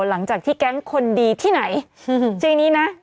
หลังจากที่แก๊งคนดีที่ไหนจริงนี้นะ